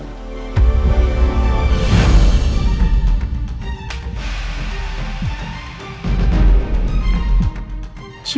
mungkin petugas cek